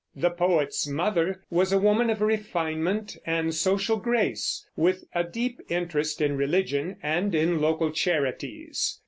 The poet's mother was a woman of refinement and social grace, with a deep interest in religion and in local charities.